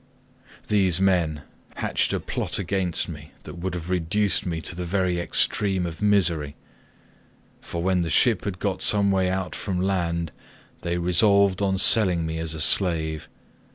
"These men hatched a plot against me that would have reduced me to the very extreme of misery, for when the ship had got some way out from land they resolved on selling me as a slave.